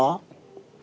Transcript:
chúng ta có thể